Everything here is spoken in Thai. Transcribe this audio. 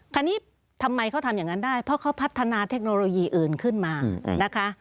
คราวนี้ทำไมเขาทำอย่างนั้นได้เพราะเขาพัฒนาเทคโนโลยีอื่นขึ้นมานะคะ